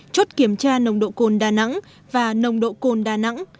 chốt kiểm tra nồng độ cồn đà nẵng và nồng độ cồn đà nẵng